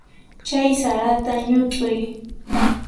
Chay sarata ñut'uy.